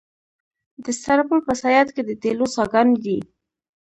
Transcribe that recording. د سرپل په صیاد کې د تیلو څاګانې دي.